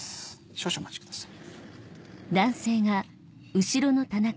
少々お待ちください。